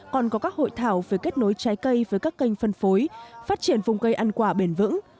còn có các hội thảo về kết nối trái cây với các kênh phân phối phát triển vùng cây ăn quả bền vững